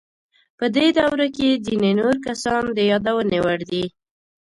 په دې دوره کې ځینې نور کسان د یادونې وړ دي.